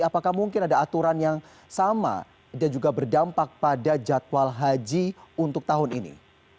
apakah mungkin ada aturan yang sama dan juga berdampak pada jadwal haji untuk tahun ini